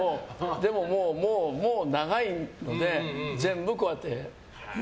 でももう長いので全部こうやって。